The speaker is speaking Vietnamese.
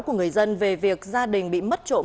của người dân về việc gia đình bị mất trộm